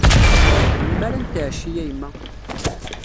Melmi ara netɛecci a yemma?